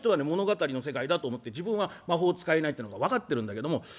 物語の世界だと思って自分は魔法を使えないというのが分かってるんだけども